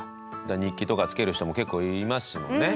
日記とかつける人も結構いますもんね。